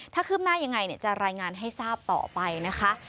ถ้าคืบหน้ายังไงจะรายงานให้ทราบต่อไปนะคะ